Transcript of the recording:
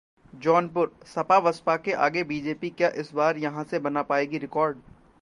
जौनपुरः सपा-बसपा के आगे बीजेपी क्या इस बार यहां से बना पाएगी रिकॉर्ड?